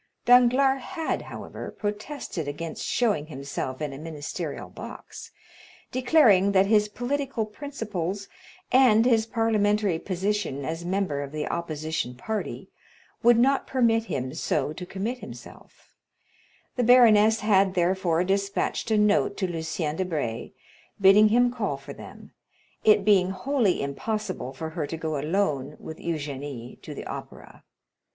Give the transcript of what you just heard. Danglars had, however, protested against showing himself in a ministerial box, declaring that his political principles, and his parliamentary position as member of the opposition party would not permit him so to commit himself; the baroness had, therefore, despatched a note to Lucien Debray, bidding him call for them, it being wholly impossible for her to go alone with Eugénie to the opera.